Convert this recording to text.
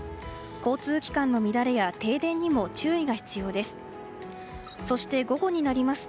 交通機関の乱れや停電にも注意が必要です。